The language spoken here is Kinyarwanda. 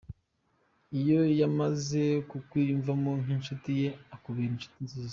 Iyo yamaze kukwiyumvamo nk’inshuti ye akubera inshuti nziza.